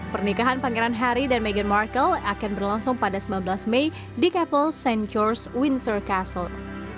pernikahan pangeran harry dan meghan markle akan berlangsung pada sembilan belas mei di capel st george windsor castle